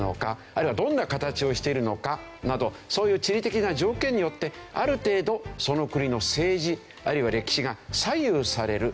あるいはどんな形をしているのかなどそういう地理的な条件によってある程度その国の政治あるいは歴史が左右される。